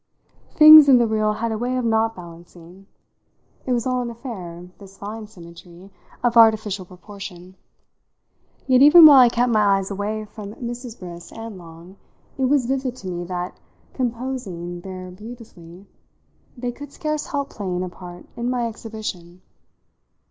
Things in the real had a way of not balancing; it was all an affair, this fine symmetry, of artificial proportion. Yet even while I kept my eyes away from Mrs. Briss and Long it was vivid to me that, "composing" there beautifully, they could scarce help playing a part in my exhibition.